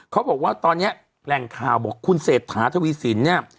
เขาบอกว่าตอนนี้แหล่งข่าวบอกคุณเศรษฐาทวีสินเนี่ย